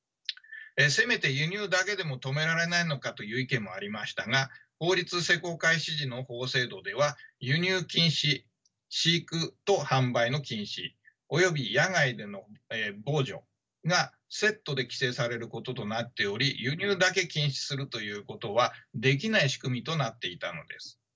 せめて輸入だけでも止められないのかという意見もありましたが法律施行開始時の法制度では輸入禁止飼育と販売の禁止および野外での防除がセットで規制されることとなっており輸入だけ禁止にするということはできない仕組みとなっていたのです。